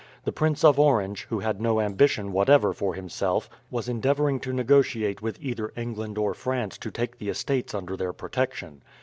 The Prince of Orange, who had no ambition whatever for himself, was endeavouring to negotiate with either England or France to take the Estates under their protection.